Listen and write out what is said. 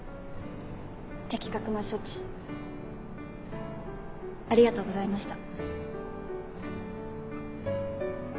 的確な処置ありがとうございました。